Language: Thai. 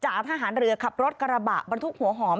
ทหารเรือขับรถกระบะบรรทุกหัวหอม